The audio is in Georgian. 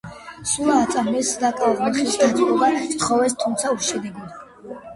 სულა აწამეს და კალმახის დათმობა სთხოვეს, თუმცა უშედეგოდ.